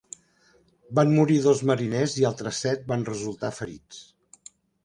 Van morir dos mariners i altres set van resultar ferits.